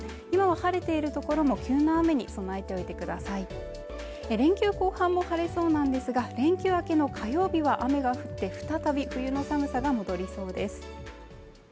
今は晴れている所も急な雨に備えておいてください連休後半も晴れそうなんですが連休明けの火曜日は雨が降って再び冬の寒さが戻りそうです